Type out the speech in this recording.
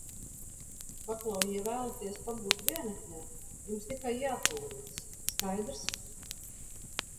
Paklau, ja vēlaties pabūt vienatnē, jums tikai jāpalūdz, skaidrs?